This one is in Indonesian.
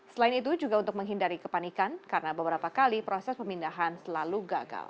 selain itu juga untuk menghindari kepanikan karena beberapa kali proses pemindahan selalu gagal